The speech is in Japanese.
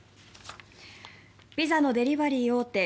ピザのデリバリー大手